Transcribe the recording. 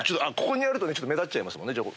ここにあると目立っちゃうね。